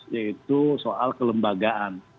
yaitu soal kelembagaan